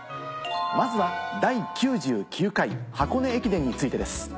まずは第９９回箱根駅伝についてです。